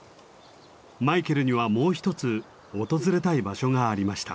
マイケルにはもう一つ訪れたい場所がありました。